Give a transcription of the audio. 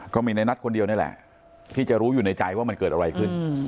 ก็มีในนัดคนเดียวนี่แหละที่จะรู้อยู่ในใจว่ามันเกิดอะไรขึ้น